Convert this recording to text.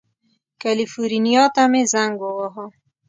کلیفورنیا ته مې زنګ ووهه.